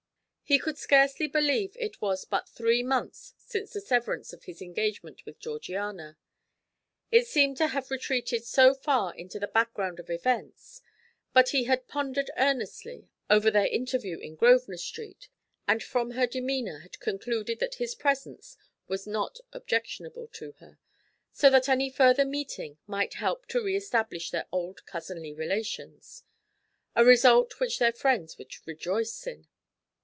He could scarcely believe it was but three months since the severance of his engagement with Georgiana, it seemed to have retreated so far into the background of events, but he had pondered earnestly over their interview in Grosvenor Street, and from her demeanour had concluded that his presence was not objectionable to her, so that any further meeting might help to re establish their old cousinly relations, a result which their friends would rejoice in.